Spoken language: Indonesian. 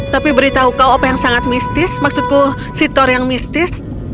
tapi beritahu kau apa yang sangat mistis maksudku sitor yang mistis